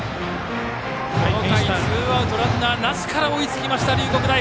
この回、ツーアウトランナーなしから追いつきました。